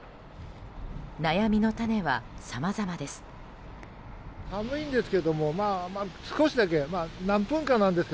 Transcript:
悩みの種はさまざまです。